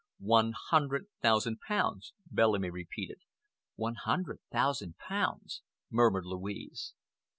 "One hundred thousand pounds," Bellamy repeated. "One hundred thousand pounds!" murmured Louise.